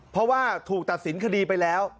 เพราะว่าถูกตัดสินคดีไปแล้ว